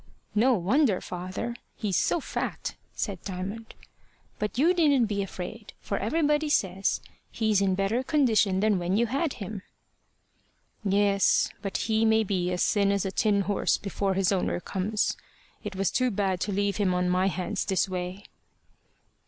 "No wonder, father: he's so fat," said Diamond. "But you needn't be afraid, for everybody says he's in better condition than when you had him." "Yes, but he may be as thin as a tin horse before his owner comes. It was too bad to leave him on my hands this way."